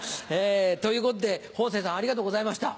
ということで方正さんありがとうございました。